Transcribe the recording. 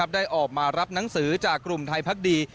ได้ออกมารับหนังสือจากกลุ่มไทยพักดี